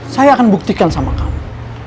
saya akan buktikan sama kamu